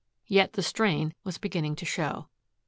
Yet the strain was beginning to show.